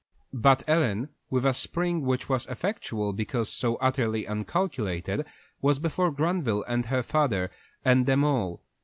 But Ellen, with a spring which was effectual because so utterly uncalculated, was before Granville and her father, and them all.